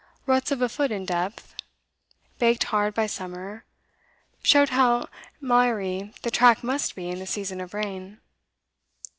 Ruts of a foot in depth, baked hard by summer, showed how miry the track must be in the season of rain.